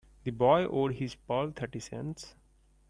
The boy owed his pal thirty cents.